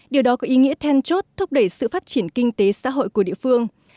điều đó có ý nghĩa then chốt thúc đẩy sự phát triển kinh tế xã hội của địa phương